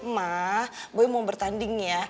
ma boy mau bertanding ya